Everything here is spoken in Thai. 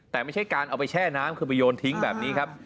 แต่ไม่ใช่การเอาไปแช่น้ำคือไปโยนทิ้งแบบนี้ครับ